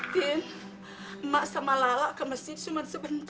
din emak sama lala ke mesin cuma sebentar